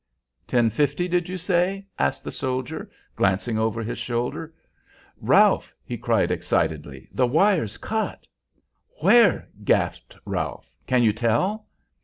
"Ten fifty, did you say?" asked the soldier, glancing over his shoulder. "Ralph!" he cried, excitedly, "the wire's cut!" "Where?" gasped Ralph. "Can you tell?"